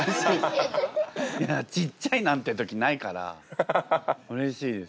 いやちっちゃいなんて時ないからうれしいです。